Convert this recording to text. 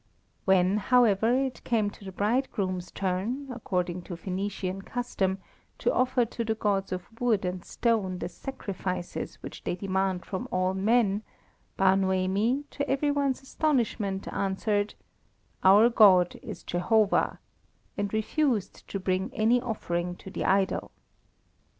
When, however, it came to the bridegroom's turn, according to Phœnician custom, to offer to the gods of wood and stone the sacrifices which they demand from all men, Bar Noemi, to every one's astonishment, answered: "Our God is Jehovah," and refused to bring any offering to the idol.